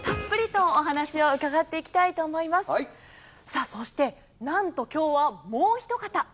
さあそしてなんと今日はもうひとかた！